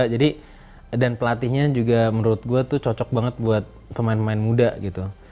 jadi dan pelatihnya juga menurut gue tuh cocok banget buat pemain pemain muda gitu